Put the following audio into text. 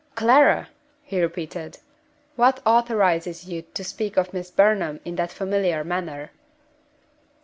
"Clara!" he repeated. "What authorizes you to speak of Miss Burnham in that familiar manner?"